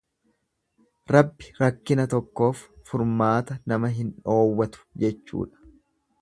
Rabbi rakkina tokkoof furmaata nama hin dhoowwatu jechuudha..